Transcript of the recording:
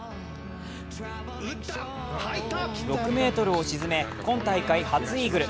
６ｍを沈め、今大会初イーグル。